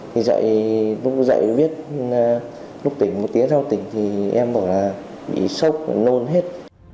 thì dạy lúc dạy viết lúc tỉnh một tiếng sau tỉnh thì em bảo là bị sốc nôn hết